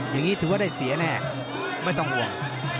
อย่างนี้ถือว่าได้เสียแน่ไม่ต้องห่วง